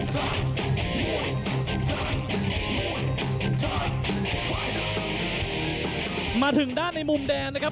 สวัสดีครับทายุรัฐมวยไทยไฟตเตอร์